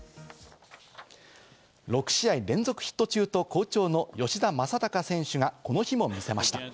６試合連続ヒット中と好調の吉田正尚選手が、この日も見せました。